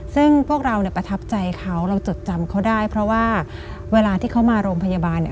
ซึ่งพวกเราเนี่ยประทับใจเขาเราจดจำเขาได้เพราะว่าเวลาที่เขามาโรงพยาบาลเนี่ย